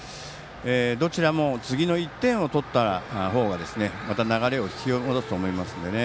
どちらも次の１点を取った方がまた流れを引き戻すと思いますのでね。